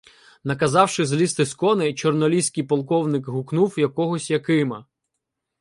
Наказавши злізти з коней, чорноліський полковник гукнув якогось Якима.